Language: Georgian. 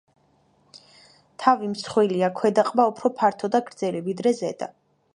თავი მსხვილია, ქვედა ყბა უფრო ფართო და გრძელი, ვიდრე ზედა.